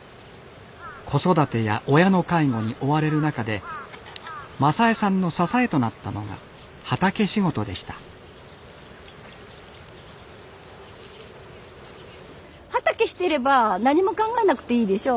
子育てや親の介護に追われる中で雅枝さんの支えとなったのが畑仕事でした畑してれば何も考えなくていいでしょ。